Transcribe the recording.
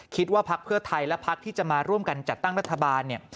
พักเพื่อไทยและพักที่จะมาร่วมกันจัดตั้งรัฐบาลเนี่ย